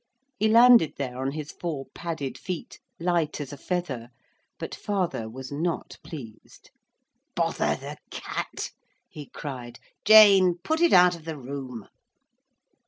He landed there on his four padded feet, light as a feather, but father was not pleased. 'Bother the cat!' he cried. 'Jane, put it out of the room.'